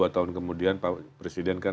dua tahun kemudian pak presiden kan